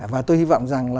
và tôi hy vọng rằng